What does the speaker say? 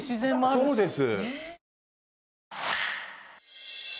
そうです。